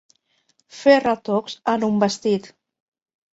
Fer retocs en un vestit.